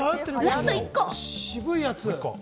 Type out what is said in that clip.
渋いやつ。